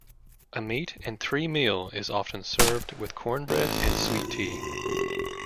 A meat-and-three meal is often served with cornbread and sweet tea.